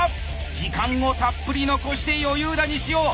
時間をたっぷり残して余裕だ西尾。